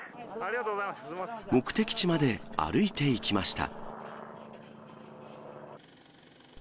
目的地まで歩いていきました。